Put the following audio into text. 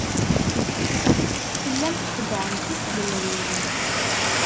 Tellam txeddɛem tisednan-nwen.